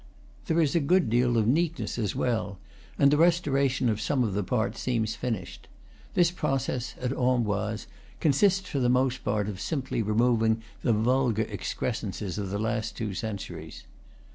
There is a good deal of neatness as well, and the restoration of some of the parts seems finished. This process, at Amboise, consists for the most part of simply removing the vulgar excrescences of the last two centuries.